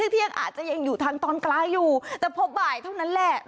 เที่ยงอาจจะยังอยู่ทางตอนกลางอยู่แต่พอบ่ายเท่านั้นแหละ